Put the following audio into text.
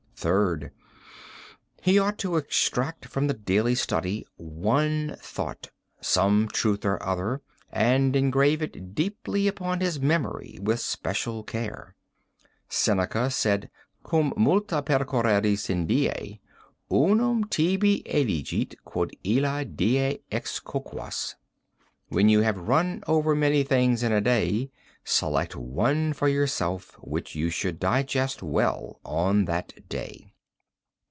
"Third: He ought to extract from the daily study one thought, some truth or other, and engrave it deeply upon his memory with special care. Seneca said 'Cum multa percurreris in die, unum tibi elige quod illa die excoquas' When you have run over many things in a day select one for yourself which you should digest well on that day.